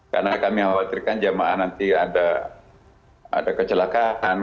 karena kami khawatirkan jamaah nanti ada kecelakaan